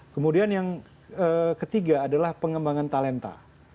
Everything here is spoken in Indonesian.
kemudian yang ketiga adalah pengembangan talenta